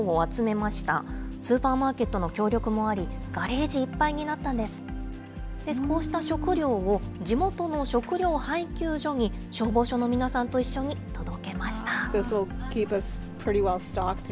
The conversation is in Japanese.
こうした食料を、地元の食料配給所に、消防署の皆さんと一緒に届けました。